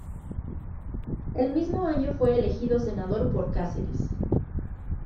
El mismo año fue elegido senador por Cáceres.